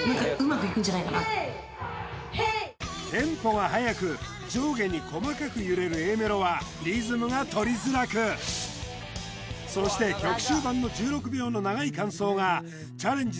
テンポがはやく上下に細かく揺れるＡメロはリズムが取りづらくそして曲終盤の１６秒の長い間奏がチャレンジ